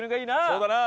そうだな。